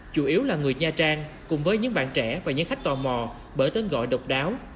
chủ yếu là người nha trang cùng với những bạn trẻ và những khách tò mò bởi tên gọi độc đáo